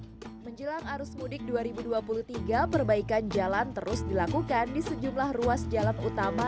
hai menjelang arus mudik dua ribu dua puluh tiga perbaikan jalan terus dilakukan di sejumlah ruas jalan utama